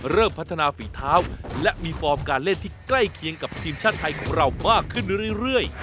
เริ่มพัฒนาฝีเท้าและมีฟอร์มการเล่นที่ใกล้เคียงกับทีมชาติไทยของเรามากขึ้นเรื่อย